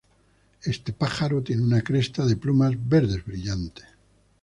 Este pájaro tiene una cresta de plumas verdes brillantes.